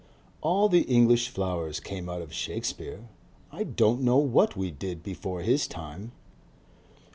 All the English flowers come out of Shakespeare. I don't know what we did before his time."